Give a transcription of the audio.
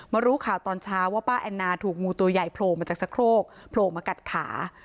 รู้ข่าวตอนเช้าว่าป้าแอนนาถูกงูตัวใหญ่โผล่มาจากสะโครกโผล่มากัดขา